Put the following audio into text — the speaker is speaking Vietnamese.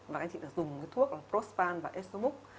và anh chị đã dùng thuốc prozvan và esomuk